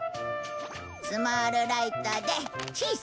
スモールライトで小さくして。